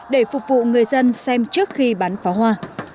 để phục vụ người dân xem trước khi bắn pháo hoa